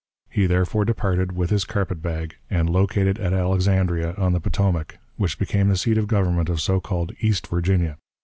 He therefore departed, with his carpet bag, and located at Alexandria, on the Potomac, which became the seat of government of so called East Virginia.